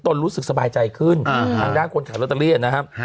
รู้สึกสบายใจขึ้นทางด้านคนขายลอตเตอรี่นะครับ